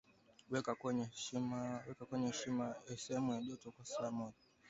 weka kwenye sehemu ya joto kwa saa moja